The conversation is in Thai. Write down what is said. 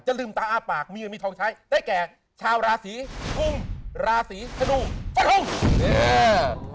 จะลืมตาอ้าปากมีเงินมีทองใช้ได้แก่ชาวราศีทุ่งราศีธนูศ์ธนูศ์